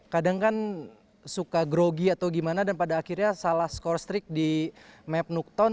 kadang kan suka grogi atau gimana dan pada akhirnya salah skor strict di map nukton